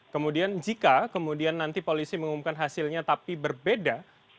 kemudian jika kemudian nanti polisi mengumumkan hasilnya tapi berbeda